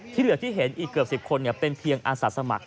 ที่เหลือที่เห็นอีกเกือบ๑๐คนเป็นเพียงอาสาสมัคร